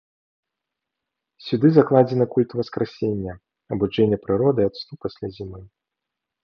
Сюды закладзены культ уваскрасення, абуджэння прыроды ад сну пасля зімы.